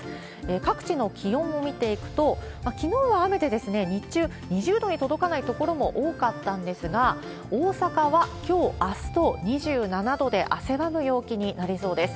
各地の気温を見ていくと、きのうは雨で日中、２０度に届かない所も多かったんですが、大阪はきょう、あすと２７度で、汗ばむ陽気になりそうです。